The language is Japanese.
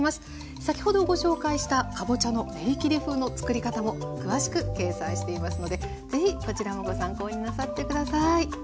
先ほどご紹介したかぼちゃの練りきり風のつくり方も詳しく掲載していますので是非こちらもご参考になさって下さい。